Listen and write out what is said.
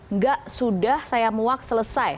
enggak sudah saya muak selesai